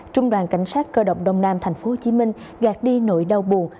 trung đoàn cảnh sát cơ động đông nam thành phố hồ chí minh gạt đi nỗi đau buồn